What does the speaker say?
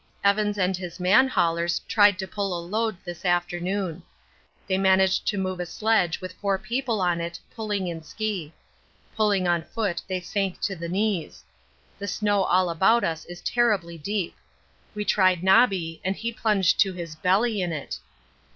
Evans and his man haulers tried to pull a load this afternoon. They managed to move a sledge with four people on it, pulling in ski. Pulling on foot they sank to the knees. The snow all about us is terribly deep. We tried Nobby and he plunged to his belly in it.